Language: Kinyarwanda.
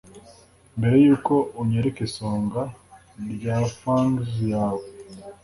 Mbere yuko unyereka isonga rya fangs yawe